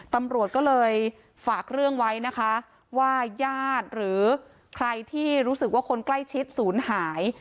ตำรวจก็เลยฝากเรื่องไว้นะคะว่าญาติหรือใครที่รู้สึกว่าคนใกล้ชิดศูนย์หาย